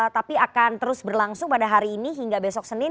tapi akan terus berlangsung pada hari ini hingga besok senin